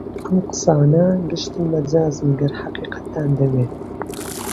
ئەم قسانە گشتی مەجازن گەر حەقیقەتتان دەوێ